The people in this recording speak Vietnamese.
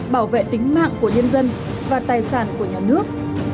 bảo vệ tính mạng của nhân dân và tài sản của nhà nước